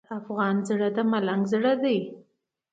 د افغان زړه د ملنګ زړه دی.